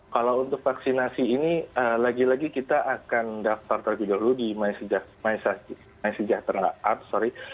kalau untuk vaksinasi ini lagi lagi kita akan daftar terlebih dahulu di mysejahteraapp